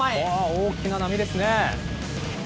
大きな波ですね。